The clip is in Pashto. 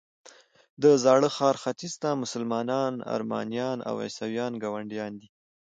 د زاړه ښار ختیځ ته مسلمانان، ارمنیان او عیسویان ګاونډیان دي.